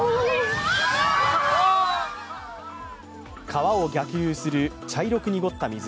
川を逆流する茶色く濁った水。